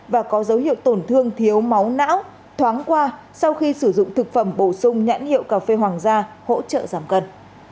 và có dấu hiệu tổn thương thiếu máu não thoáng qua sau khi sử dụng thực phẩm bổ sung nhãn hiệu cà phê hoàng gia hỗ trợ giảm cân